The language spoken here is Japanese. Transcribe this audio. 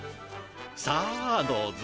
さあどうぞ。